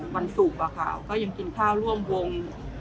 วันศุกร์ก็ยังกินข้าวร่วมวง